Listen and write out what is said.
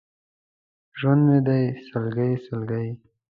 ژوند مې دی سلګۍ، سلګۍ!